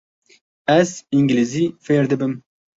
Ez îngilîzî fêr dibim.